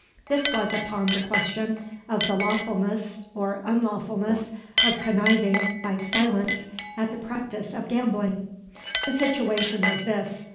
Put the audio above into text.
This was upon the question of the lawfulness or unlawfulness of conniving, by silence, at the practice of gambling. The situation was this.